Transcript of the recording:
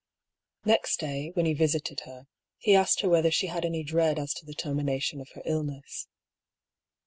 Next day, when he visited her, he asked her whether she had any dread as to the termination of her illness.